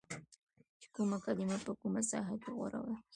چې کومه کلمه په کومه ساحه کې غوره ده